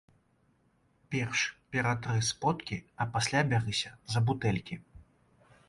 Перш ператры сподкі, а пасля бярыся за бутэлькі.